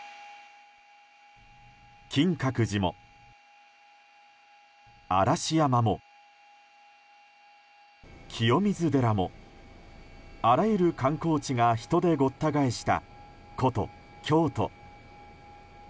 金閣寺も嵐山も清水寺もあらゆる観光地が人でごった返した古都・京都。